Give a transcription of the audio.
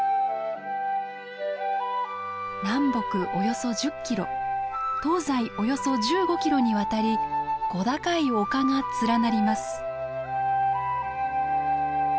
南北およそ１０キロ東西およそ１５キロにわたり小高い丘が連なります。